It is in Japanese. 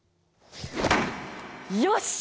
よし！